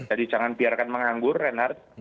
jadi jangan biarkan menganggur renard